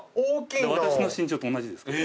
私の身長と同じですから。